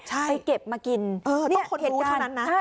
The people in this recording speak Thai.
ไปเก็บมากินเออต้องคนรู้เท่านั้นนะ